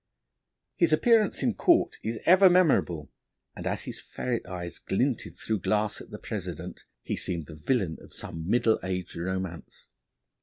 His appearance in court is ever memorable, and as his ferret eyes glinted through glass at the President, he seemed the villain of some Middle Age Romance.